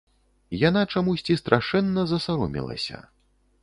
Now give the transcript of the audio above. Яна чамусьці страшэнна засаромелася.